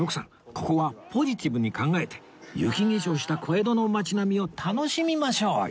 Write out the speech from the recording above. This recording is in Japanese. ここはポジティブに考えて雪化粧した小江戸の街並みを楽しみましょうよ